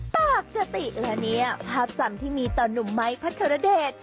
ปากตะติแล้วเนี่ยภาพศรรรมที่มีตอนหนุ่มไม้พระเจ้าระเด็ด